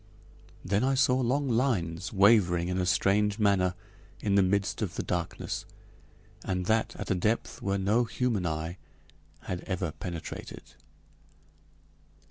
Then I saw long lines wavering in a strange manner in the midst of the darkness, and that at a depth where no human eye had ever penetrated.